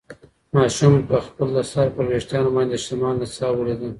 ماشوم په خپلو سره وېښتان باندې د شمال نڅا ولیده.